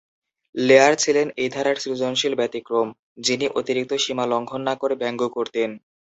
Layer ছিলেন এই ধারার সৃজনশীল ব্যতিক্রম, যিনি অতিরিক্ত সীমা লঙ্ঘন না করে ব্যঙ্গ করতেন।